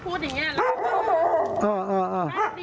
พูดยังงี้